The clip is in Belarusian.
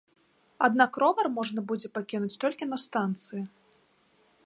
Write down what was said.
Аднак ровар можна будзе пакінуць толькі на станцыі.